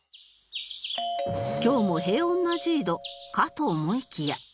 今日も平穏な ＪＩＤＯ かと思いきや